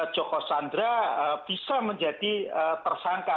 joko sandra bisa menjadi tersangka